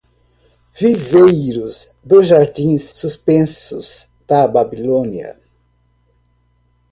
Viveiro dos jardins suspensos da Babilônia